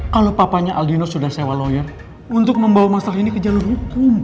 kalau papanya aldino sudah sewa lawyer untuk membawa masalah ini ke jalur hukum